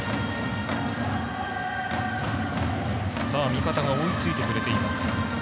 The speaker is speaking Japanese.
味方が追いついてくれています。